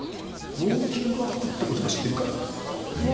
「ウォーキングアップ」って言葉、知ってるか？